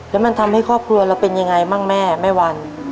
แล้วมันทำให้ครอบครัวเราเป็นยังไงบ้างแม่แม่วัน